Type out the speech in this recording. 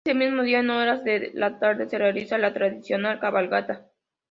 Ese mismo día en horas de la tarde se realiza la tradicional cabalgata.